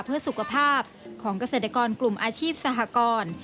เพื่อสุขภาพของเกษตรกรกลุ่มอาชีพสหกร